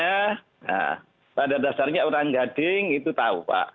nah pada dasarnya orang gading itu tahu pak